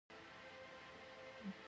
افغانستان د زراعت لپاره مشهور دی.